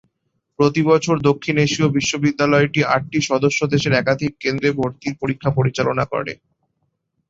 প্রতি বছর দক্ষিণ এশীয় বিশ্ববিদ্যালয়টি আটটি সদস্য দেশের একাধিক কেন্দ্রে ভর্তির পরীক্ষা পরিচালনা করে।